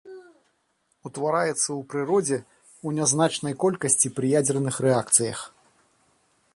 Утвараецца ў прыродзе ў нязначнай колькасці пры ядзерных рэакцыях.